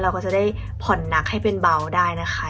เราก็จะได้ผ่อนหนักให้เป็นเบาได้นะคะ